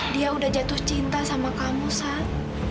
dia udah jatuh cinta sama kamu saat